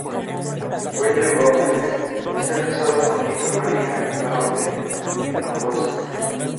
Cuello Baute está casado con Lina María Baute Hinojosa.